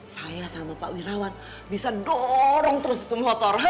saya sama pak wirawan bisa dorong terus itu motor